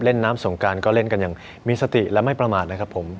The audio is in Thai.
เล่นน้ำสงการก็เล่นกันอย่างมีสติและไม่ประมาทนะครับผม